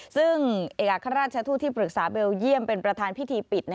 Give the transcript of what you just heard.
ซึ่งเอกราชทูตที่ปรึกษาเบลเยี่ยมเป็นประธานพิธีปิด